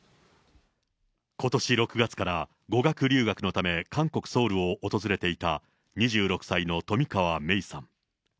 ことし６月から語学留学のため韓国・ソウルを訪れていた２６歳の冨川芽生さん。